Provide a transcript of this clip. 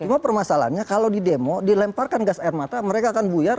cuma permasalahannya kalau di demo dilemparkan gas air mata mereka akan buyar